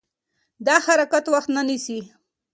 دا حرکت وخت نه نیسي.